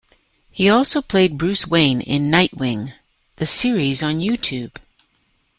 He also played Bruce Wayne in Nightwing: The Series on YouTube.